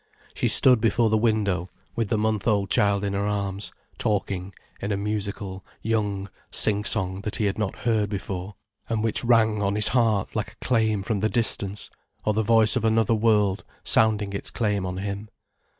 She stood before the window, with the month old child in her arms, talking in a musical, young sing song that he had not heard before, and which rang on his heart like a claim from the distance, or the voice of another world sounding its claim on him.